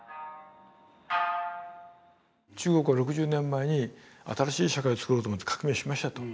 中国は６０年前に新しい社会をつくろうと思って革命しましたと。